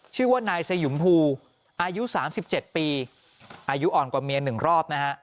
ชื่อว่านายสยุมภูอายุ๓๗ปีอายุอ่อนกว่าเมีย๑รอบนะฮะ